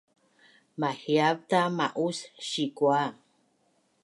mahiavta ma’us sikua